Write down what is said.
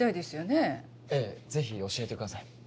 ぜひ教えてください。